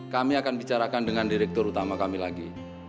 kami akan bicarakan dengan direktur utama kami lagi